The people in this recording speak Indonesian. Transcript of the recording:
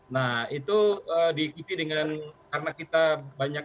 nah itu diikuti dengan karena kita banyak